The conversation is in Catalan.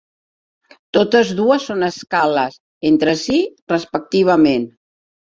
Totes dues són escales entre sí, respectivament.